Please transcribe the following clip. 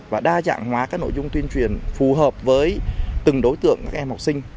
và đa dạng hóa các nội dung tuyên truyền phù hợp với từng đối tượng các em học sinh